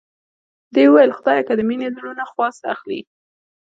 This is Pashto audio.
دې وویل خدایه که د مینې زړونو خواست اخلې.